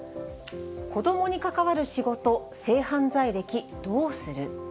子どもに関わる仕事、性犯罪歴どうする。